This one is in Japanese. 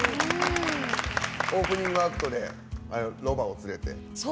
オープニングアクトでロバを連れて。